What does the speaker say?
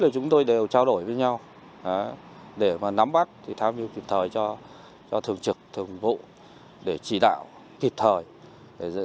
chúng tôi đều trao đổi với nhau để nắm bắt tham dự kịp thời cho thường trực thường vụ để chỉ đạo kịp thời